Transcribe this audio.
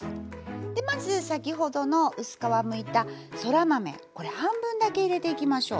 でまず先ほどの薄皮むいたそら豆これ半分だけ入れていきましょう。